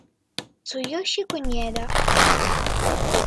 Tsuyoshi Kunieda